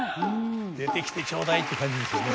「出てきてちょうだい」って感じですよね。